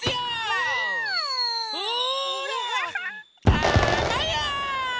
たまや！